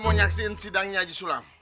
saya mau nyaksikan sidangnya jisulam